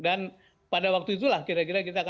dan pada waktu itulah kira kira kita akan